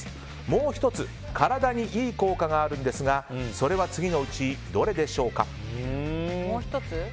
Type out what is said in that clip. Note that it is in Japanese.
もう１つ体にいい効果があるんですがそれは次のうちどれでしょうか？